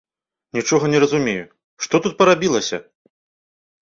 Нічога не разумею, што тут парабілася?